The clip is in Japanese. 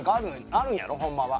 あるんやろ？ホンマは。